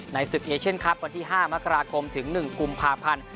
ในศึกเอเช่นครับวันที่ห้ามกราคมถึงหนึ่งกุมภาพันธ์